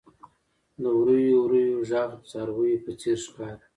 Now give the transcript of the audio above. • د وریو وریو ږغ د څارويو په څېر ښکاري.